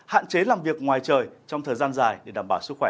hạn chế làm việc ngoài trời trong thời gian dài để đảm bảo sức khỏe